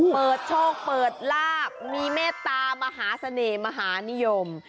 เปิดโชคเปิดลาบมีเมตตามหาเสน่ห์มหานิยม